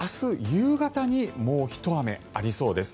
夕方にもうひと雨ありそうです。